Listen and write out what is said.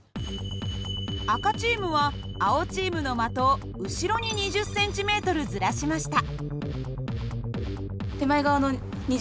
赤チームは青チームの的を後ろに２０ｃｍずらしました。